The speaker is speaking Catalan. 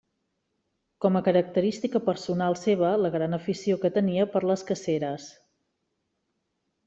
Com a característica personal seva la gran afició que tenia per les caceres.